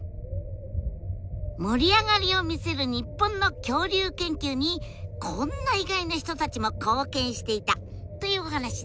盛り上がりを見せる日本の恐竜研究にこんな意外な人たちも貢献していたというお話です！